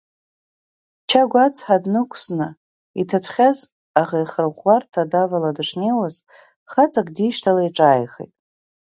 Чагә, ацҳа днықәсны, иҭацәхьаз аӷа ихырӷәӷәарҭа давала дышнеиуаз, хаҵак дишьҭала иҿааихеит.